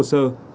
để tìm hiểu rõ